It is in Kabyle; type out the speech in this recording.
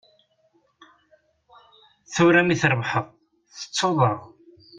Tura mi trebḥeḍ, tettuḍ-aɣ.